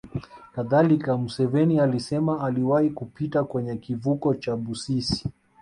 Kadhalika Museveni alisema aliwahi kupita kwenye kivuko cha Busisi